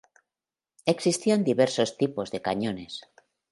Existían diversos tipos de cañones.